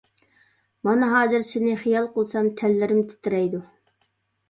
مانا ھازىر سېنى خىيال قىلسام تەنلىرىم تىترەيدۇ.